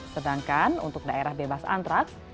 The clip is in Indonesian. sedangkan untuk daerah bebas antraks